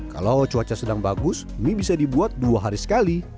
kalau cuaca sedang bagus mie bisa dibuat dua hari sekali